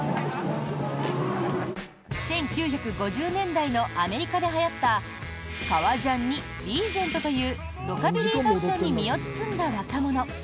１９５０年代のアメリカではやった革ジャンにリーゼントというロカビリーファッションに身を包んだ若者。